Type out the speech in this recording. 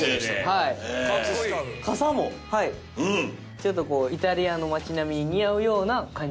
ちょっとこうイタリアの街並みに似合うような感じで。